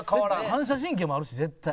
反射神経もあるし絶対。